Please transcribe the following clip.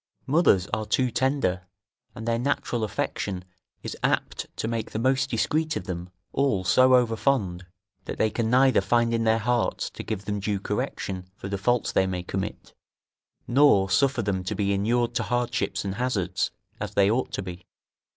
Mothers are too tender, and their natural affection is apt to make the most discreet of them all so overfond, that they can neither find in their hearts to give them due correction for the faults they may commit, nor suffer them to be inured to hardships and hazards, as they ought to be.